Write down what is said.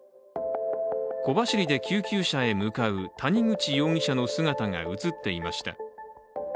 小走りで救急車へ向かう谷口容疑者の姿が映っていました。